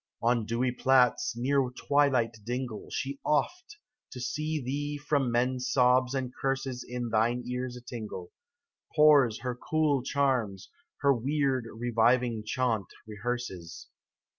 On dewy plats, near twilight dingle. She oft, to still thee from men's sobs and curses In thine ears a tingle, Pours her cool charms, her weird, reviving chaunt rehearses.